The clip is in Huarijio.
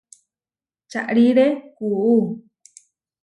Čaʼríre kuʼú.